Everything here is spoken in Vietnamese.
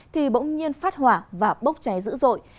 thì bỗng nhiên phát hỏa và bốc cháy dữ dội